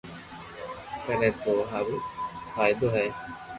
ڪري تو ٿو ھارو فائدو ھي